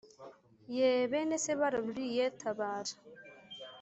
yeee bene se bararuriye tabara